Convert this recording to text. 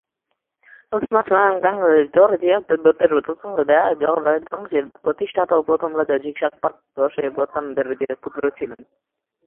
কুন-স্পাংস-ল্হা-দ্বাং-র্দো-র্জে তিব্বতের গ্ত্সাং-পা রাজবংশের প্রতিষ্ঠাতা ও প্রথম রাজা ঝিগ-শাগ-পা-ত্শে-ব্র্তান-র্দো-র্জের পুত্র ছিলেন।